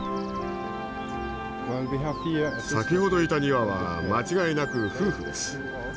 先ほどいた２羽は間違いなく夫婦です。